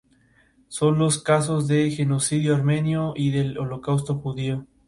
Son los casos del Genocidio Armenio y del Holocausto Judío.